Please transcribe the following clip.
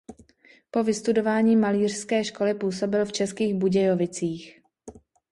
Po vystudování malířské školy působil v Českých Budějovicích.